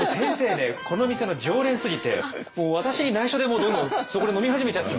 ねこの店の常連すぎてもう私に内緒でもうどんどんそこで飲み始めちゃって。